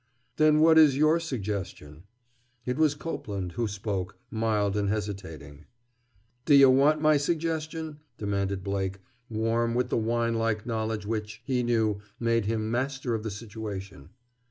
"Then what is your suggestion?" It was Copeland who spoke, mild and hesitating. "D' you want my suggestion?" demanded Blake, warm with the wine like knowledge which, he knew, made him master of the situation.